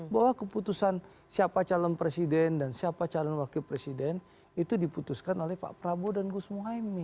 bahwa keputusan siapa calon presiden dan siapa calon wakil presiden itu diputuskan oleh pak prabowo dan gus muhaymin